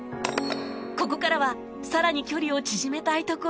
ここからは更に距離を縮めたいところ